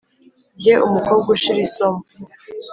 jye umukobwa ushira isom